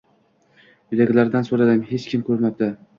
Uydagilardan soʻradim, hech kim koʻrmabdi